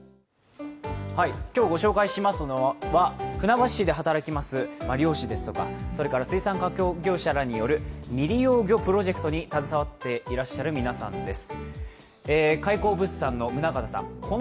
今日、ご紹介しますのは船橋市で働きます漁師ですとかそれから水産加工業者らによる未利用魚プロジェクトに携わっている皆さんです。